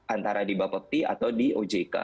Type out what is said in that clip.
antara di bapepti atau di ojk